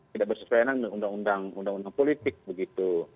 tidak bersesuaian dengan undang undang politik begitu